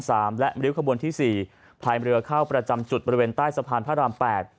และริ้วขบวนที่สี่พายเรือเข้าประจำจุดบริเวณใต้สะพานพระรามแปด